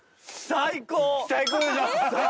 最高！